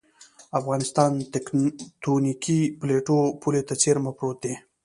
افغانستان تکتونیکي پلیټو پولې ته څېرمه پروت دی